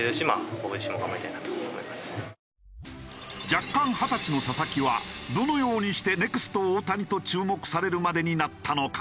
弱冠二十歳の佐々木はどのようにしてネクスト大谷と注目されるまでになったのか？